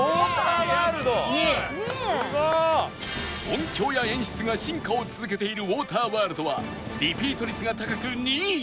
音響や演出が進化を続けているウォーターワールドはリピート率が高く２位